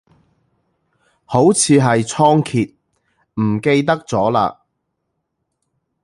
好似係倉頡，唔記得咗嘞